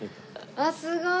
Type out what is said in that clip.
あっすごーい！